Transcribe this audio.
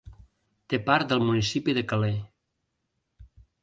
Té part del municipi de Calais.